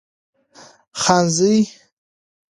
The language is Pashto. خانزۍ